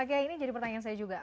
pakai ini jadi pertanyaan saya juga